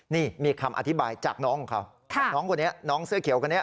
นี่มีคำอธิบายจากน้องของเขาจากน้องคนนี้น้องเสื้อเขียวคนนี้